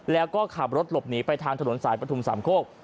แล้วก็ขับรถหลบหนีไปทางถนนสายปฐุมสามโคก